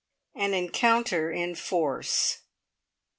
AN ENCOUNTER IN FORCE.